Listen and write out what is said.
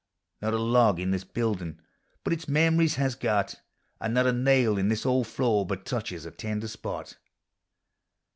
Not a log in this buildiii' but its memories has got. And not a nail in this old tloor but touches a tender spot.